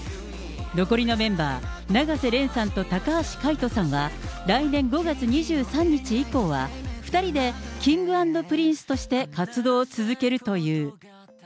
残りのメンバー、永瀬廉さんと高橋海人さんは、来年５月２３日以降は、２人でＫｉｎｇ＆Ｐｒｉｎｃｅとして活動を続けるという。